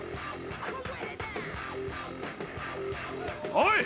・おい。